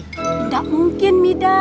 tidak mungkin mida